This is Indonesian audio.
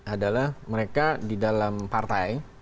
adalah mereka di dalam partai